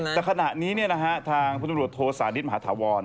แต่ขณะนี้นะฮะทางผู้จังหลวงโทสาณิชย์มหาธวร